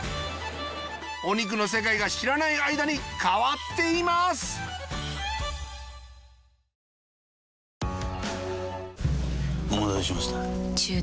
お肉の世界が知らない間に変わっていますお待たせしました。